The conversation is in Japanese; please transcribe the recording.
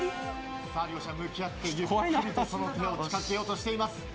さあ両者向き合って、ゆっくりとその手を近づけようとしています。